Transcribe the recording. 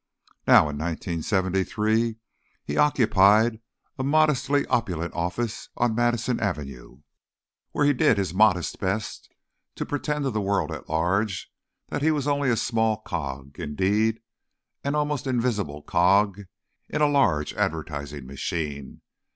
Now, in 1973, he occupied a modestly opulent office on Madison Avenue, where he did his modest best to pretend to the world at large that he was only a small cog—indeed, an almost invisible cog—in a large advertising machine.